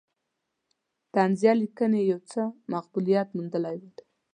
طنزیه لیکنې یې یو څه مقبولیت موندلی دی.